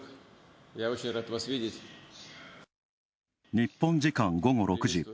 日本時間午後６時。